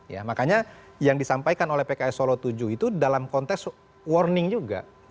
ya makanya yang disampaikan oleh pks solo tujuh itu dalam konteks warning juga